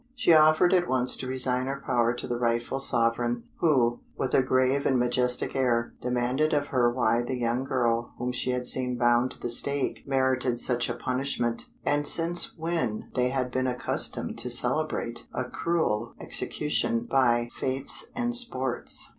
She offered at once to resign her power to the rightful sovereign, who, with a grave and majestic air, demanded of her why the young girl whom she had seen bound to the stake merited such a punishment, and since when they had been accustomed to celebrate a cruel execution by fêtes and sports.